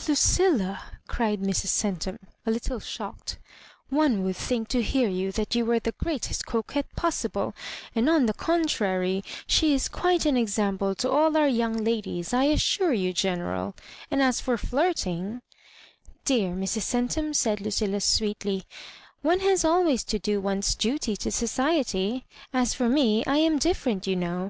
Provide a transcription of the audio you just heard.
" Lucilla," cried Mrs. Centum, a little shodced, '* one would think to hear you that you were the greatest coquette possible; and on the contrary she is quite an example to all oiu* young ladies, 1 assure you, General; and as for flirting ^ '*Dear Mm Centum," said Lucilla, sweetly, *' one has always to do one's duty to society. As for me, I am diJOTerent, you know.